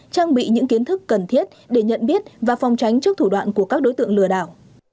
trang bị những kiến thức cần thiết để nhận biết và phòng tránh trước thủ đoạn của các đối tượng lừa đảo